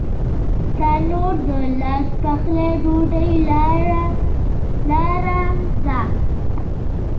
تنور د لاس پخې ډوډۍ لاره ده